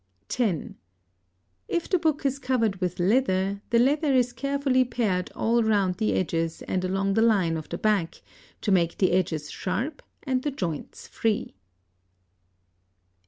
(10) If the book is covered with leather, the leather is carefully pared all round the edges and along the line of the back, to make the edges sharp and the joints free.